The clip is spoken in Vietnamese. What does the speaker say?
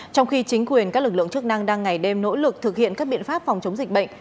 trong khi chính quyền các lực lượng chức năng đang ngày đêm nỗ lực thực hiện các biện pháp phòng chống dịch bệnh